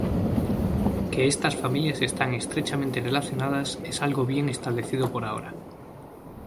Que estas familias están estrechamente relacionadas es algo bien establecido por ahora.